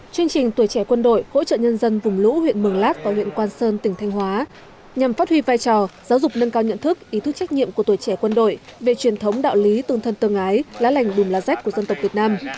chương trình tuổi trẻ quân đội hỗ trợ nhân dân vùng lũ huyện mường lát và huyện quan sơn tỉnh thanh hóa nhằm phát huy vai trò giáo dục nâng cao nhận thức ý thức trách nhiệm của tuổi trẻ quân đội về truyền thống đạo lý tương thân tương ái lá lành đùm lá rách của dân tộc việt nam